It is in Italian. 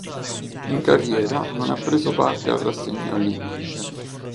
In carriera non ha preso parte a rassegne olimpiche.